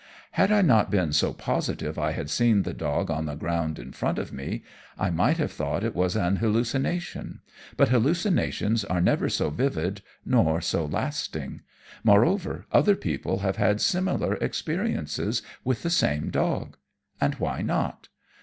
Had I not been so positive I had seen the dog on the ground in front of me, I might have thought it was an hallucination; but hallucinations are never so vivid nor so lasting moreover, other people have had similar experiences with the same dog. And why not?